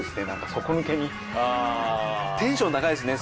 底抜けに△繊テンション高いですね。